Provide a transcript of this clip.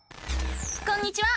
こんにちは！